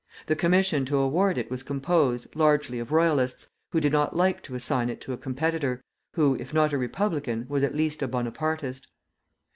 The commission to award it was composed, largely of Royalists, who did not like to assign it to a competitor, who, if not a Republican, was at least a Bonapartist.